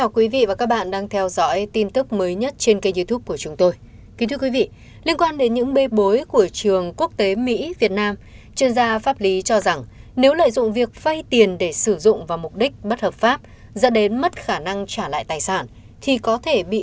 các bạn hãy đăng ký kênh để ủng hộ kênh của chúng tôi nhé